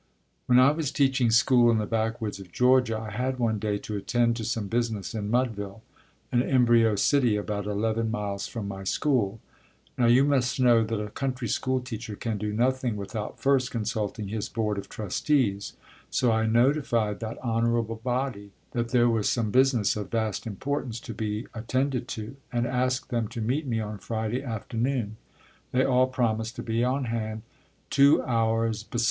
When I was teaching school in the backwoods of Georgia I had, one day, to attend to some business in Mudville, an embryo city about eleven miles from my school. Now you must know that a country school teacher can do nothing without first consulting his Board of Trustees; so I notified that honorable body that there was some business of vast importance to be attended to, and asked them to meet me on Friday afternoon; they all promised to be on hand "two hours b'sun."